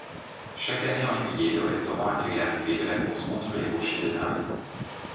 Chaque année en juillet, le restaurant accueille l'arrivée de la course Montreux-Les-Rochers-de-Naye.